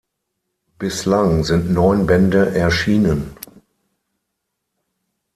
Bislang sind neun Bände erschienen.